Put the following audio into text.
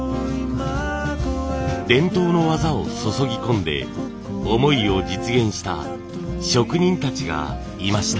伝統の技を注ぎ込んで思いを実現した職人たちがいました。